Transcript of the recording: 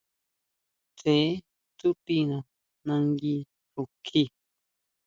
Tseʼe tsútina nangui xukjí.